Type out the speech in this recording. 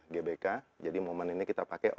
gbk jadi momen ini kita pakai